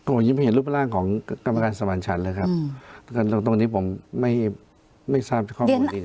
โอ้ยิ่งไม่เห็นรูปร่างของกรรมการสมันต์ชันเลยครับตรงตรงนี้ผมไม่ไม่ทราบข้อมูลอีก